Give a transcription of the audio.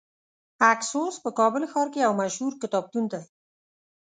اکسوس په کابل ښار کې یو مشهور کتابتون دی .